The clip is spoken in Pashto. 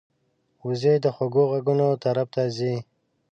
وزې د خوږو غږونو طرف ته ځي